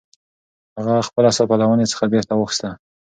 هغه خپله صافه له ونې څخه بېرته واخیسته.